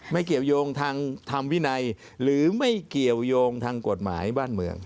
เกี่ยวยงทางธรรมวินัยหรือไม่เกี่ยวยงทางกฎหมายบ้านเมือง